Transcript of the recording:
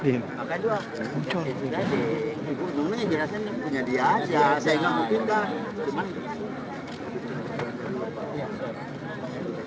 ini kan ada atas